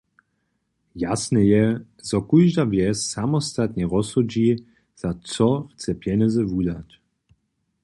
Jasne je, zo kóžda wjes samostatnje rozsudźi, za čo chce pjenjezy wudać.